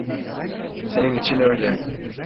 Senin için öyle.